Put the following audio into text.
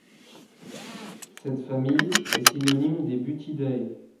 Cette famille est synonyme des Buthidae.